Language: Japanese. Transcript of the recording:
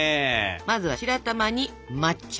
まずは白玉に抹茶。